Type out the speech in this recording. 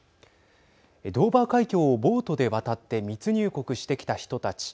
ドーバー海峡をボートで渡って密入国してきた人たち。